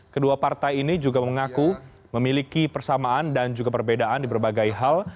kedua partai ini juga mengaku memiliki persamaan dan juga perbedaan di berbagai hal